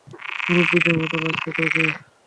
মুরব্বীদের মত লাগছে তোকে!